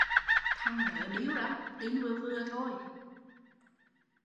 Thằng nớ điêu lắm, tin vừa vừa thôi